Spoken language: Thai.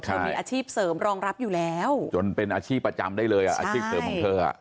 เธอมีอาชีพเสริมรองรับอยู่แล้วจนเป็นอาชีพประจำได้เลยอ่ะอาชีพเสริมของเธอ